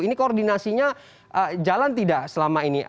ini koordinasinya jalan tidak selama ini